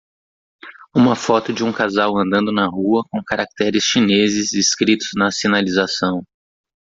Uma foto de um casal andando na rua com caracteres chineses escritos na sinalização.